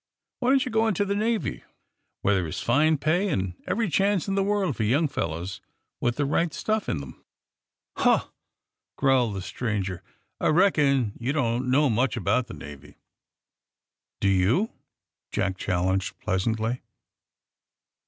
Why don't you go into the Navy, where there is fine pay and every chance in the world for young fellows with the right stuff in them?" "Huh!" growled the stranger. "I reckon you don't know much about the Navy." "Do you?" Jack challenged pleasantly.